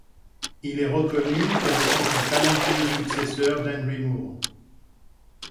Il est reconnu comme étant un talentueux successeur d’Henry Moore.